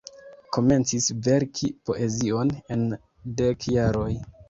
Komencis verki poezion en dek jaroj.